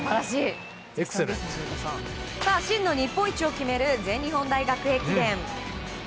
真の日本一を決める全日本大学駅伝。